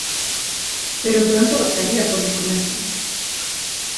Pero pronto optaría por el comercio.